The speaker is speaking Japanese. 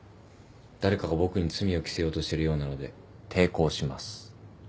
誰かが僕に罪を着せようとしてるようなので抵抗します。